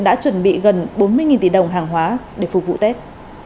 đã chuẩn bị gần bốn mươi tỷ đồng hàng hóa để phục vụ tết